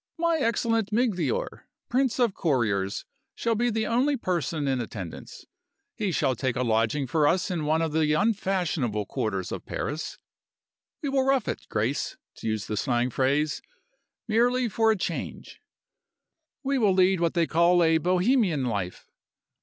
My excellent Migliore, prince of couriers, shall be the only person in attendance. He shall take a lodging for us in one of the unfashionable quarters of Paris. We will rough it, Grace (to use the slang phrase), merely for a change. We will lead what they call a 'Bohemian life.